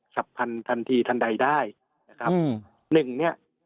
ฉับพันทันทีทันใดได้นะครับอืมหนึ่งเนี้ย